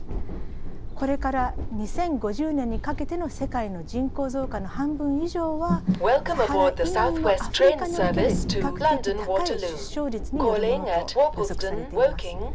これから２０５０年にかけての世界の人口増加の半分以上はサハラ以南のアフリカにおける比較的高い出生率によるものと予測されています。